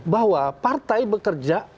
bahwa partai bekerja